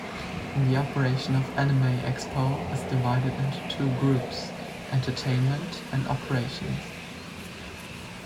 The operation of Anime Expo is divided into two groups: Entertainment and Operations.